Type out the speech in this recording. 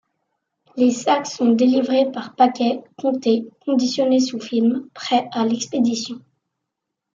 Les sacs sont délivrés par paquets, comptés, conditionnés sous film, prêts à l’expédition.